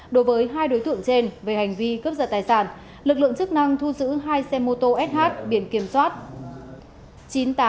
đối với hai đối tượng trên về hành vi cướp giật tài sản lực lượng chức năng thu giữ hai xe mô tô sh biển kiểm soát